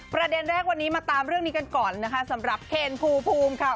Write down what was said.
ประเด็นแรกวันนี้มาตามเรื่องนี้กันก่อนนะคะสำหรับเคนภูมิค่ะ